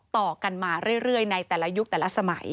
ต่อกันมาเรื่อยในแต่ละยุคแต่ละสมัย